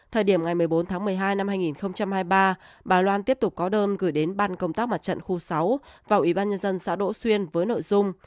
thời điểm ngày một mươi bốn tháng một mươi hai năm hai nghìn hai mươi ba bà loan tiếp tục có đơn gửi đến ban công tác mặt trận khu sáu và ủy ban nhân dân xã đỗ xuyên với nội dung